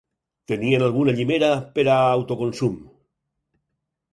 Tenien alguna llimera per a autoconsum.